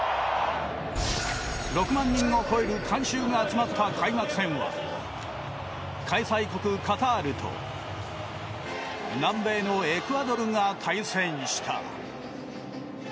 ６万人を超える観衆が集まった開幕戦は開催国カタールと南米のエクアドルが対戦した。